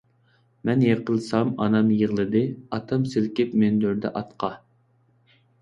مەن يىقىلسام ئانام يىغلىدى، ئاتام سىلكىپ مىندۈردى ئاتقا.